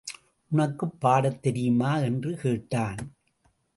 உனக்குப் பாடத் தெரியுமா? என்று கேட்டான்.